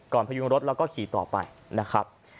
ก่อนพยุงรถเราก็ขี่ต่อไปนะครับ